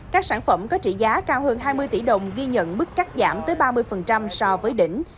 các sản phẩm có trị giá cao hơn hai mươi tỷ đồng ghi nhận mức cắt giảm tới ba mươi so với đỉnh